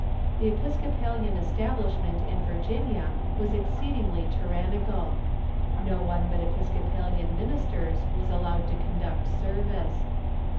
The Episcopalian establishment in Virginia was exceedingly tyrannical. No one but Episcopa lian ministers was allowed to conduct service.